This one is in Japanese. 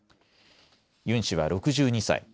ユン氏は６２歳。